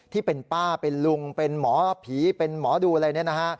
ที่เป็นป้าเป็นลุงเป็นหมอผีเป็นหมอดูอะไรเนี่ยนะฮะ